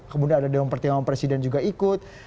kemudian ada dewan pertimbangan presiden juga ikut